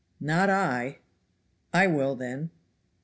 "Not I." "I will, then."